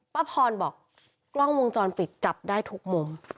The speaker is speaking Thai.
ป้าพรบอกกล้องวงจรปิดจับได้ทุกมุม